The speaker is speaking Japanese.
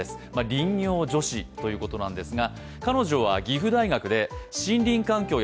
林業女子ということなんですが。